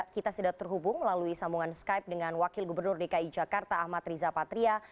kita sudah terhubung melalui sambungan skype dengan wakil gubernur dki jakarta ahmad riza patria